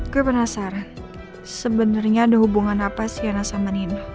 k button as sahran sebenarnya ada hubungan hiera